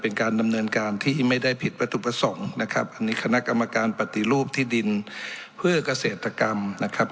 เป็นการดำเนินการที่ไม่ได้ผิดวัตถุประสงค์นะครับอันนี้คณะกรรมการปฏิรูปที่ดินเพื่อเกษตรกรรมนะครับ